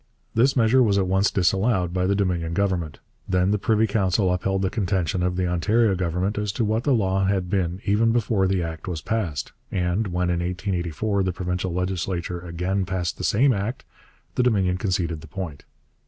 This measure was at once disallowed by the Dominion Government. Then the Privy Council upheld the contention of the Ontario Government as to what the law had been even before the act was passed; and, when in 1884 the provincial legislature again passed the same act, the Dominion conceded the point.